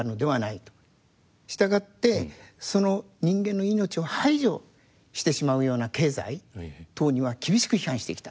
従ってその人間の命を排除してしまうような経済等には厳しく批判してきた。